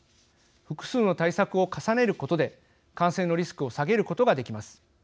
複数の対策を重ねることで感染のリスクを下げることができます。